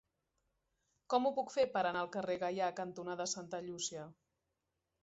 Com ho puc fer per anar al carrer Gaià cantonada Santa Llúcia?